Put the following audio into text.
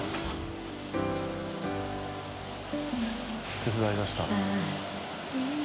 手伝いだした。